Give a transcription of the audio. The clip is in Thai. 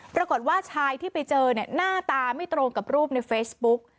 ปรากฏว่าชายที่ไปเจอเนี่ยหน้าตาไม่ตรงกับรูปในเฟซบุ๊ก